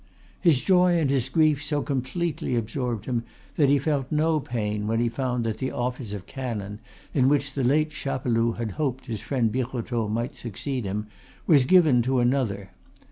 His joy and his grief so completely absorbed him that he felt no pain when he found that the office of canon, in which the late Chapeloud had hoped his friend Birotteau might succeed him, was given to another.